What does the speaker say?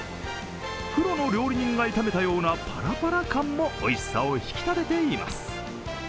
プロの料理人が炒めたようなパラパラ感もおいしさを引き立てています。